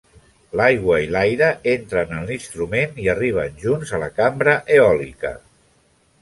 L'aigua i l'aire entren en l'instrument i arriben junts a la cambra eòlica.